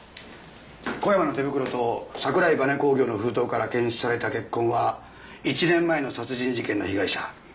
小山の手袋と桜井バネ工業の封筒から検出された血痕は１年前の殺人事件の被害者